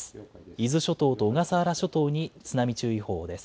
伊豆諸島と小笠原諸島に津波注意報です。